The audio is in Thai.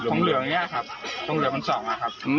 ทองเหลืองมันส่องอะครับ